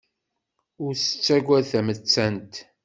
Ur tettagad tamettant.